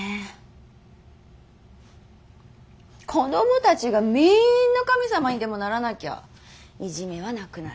子供たちがみんな神様にでもならなきゃいじめはなくならない。